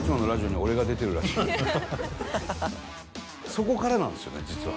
そこからなんですよね実は。